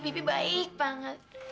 bebek baik banget